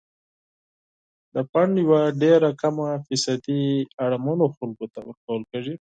د فنډ یوه ډیره کمه فیصدي اړمنو خلکو ته ورکول کیږي.